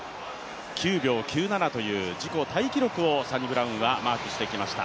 ９秒９７という自己タイ記録をサニブラウンはマークしてきました。